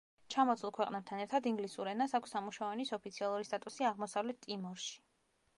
ჩამოთვლილ ქვეყნებთან ერთად, ინგლისურ ენას აქვს სამუშაო ენის ოფიციალური სტატუსი აღმოსავლეთ ტიმორში.